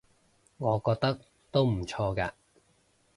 我覺得都唔錯嘅